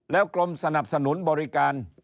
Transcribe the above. แล้วกรมสนับสนุนบริการ